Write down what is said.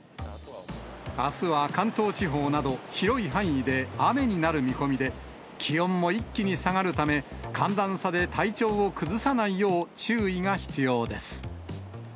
あすは関東地方など広い範囲で雨になる見込みで、気温も一気に下がるため、寒暖差で体調を崩さないよう注意が必要です。